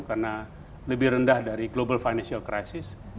karena lebih rendah dari global financial crisis